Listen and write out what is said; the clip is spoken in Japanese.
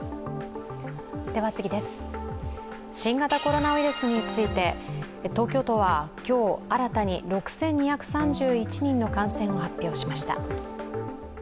新型コロナウイルスについて東京都は今日新たに６２３１人の感染を発表しました。